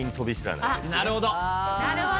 なるほど！